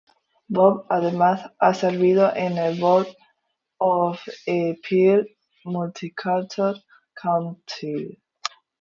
Bob además ha servido en el Board of Peel Multicultural Council.